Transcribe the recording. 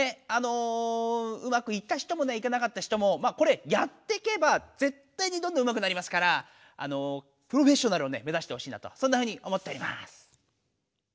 うまくいった人もいかなかった人もこれやってけば絶対にどんどんうまくなりますからプロフェッショナルを目ざしてほしいなとそんなふうに思っております。